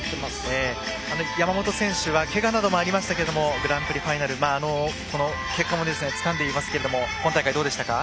山本選手はけがなどもありましたけどグランプリファイナル結果もつかんでいますが今大会はどうでしたか？